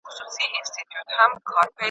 منځنۍ پېړۍ بنسټ برابروي.